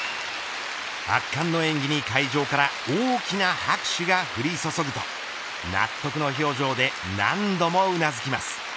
圧巻の演技に会場から大きな拍手が降り注ぐと納得の表情で何度もうなずきます。